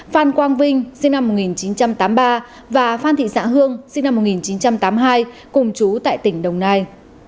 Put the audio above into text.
phan quang vinh sinh năm một nghìn chín trăm tám mươi ba và phan thị xã hương sinh năm một nghìn chín trăm tám mươi hai cùng chú tại tỉnh đồng nai